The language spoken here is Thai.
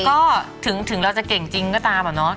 ก็ถึงเราจะเก่งจริงก็ตามอะเนาะ